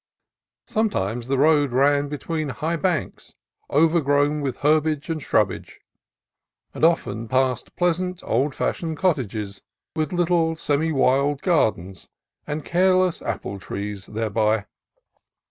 Sometimes the road ran between high banks overgrown with her bage and shrubbage, and often past pleasant, old fashioned cottages, with little semi wild gardens and careless apple trees thereby.